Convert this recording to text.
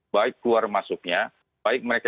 baik keluar masuknya baik mereka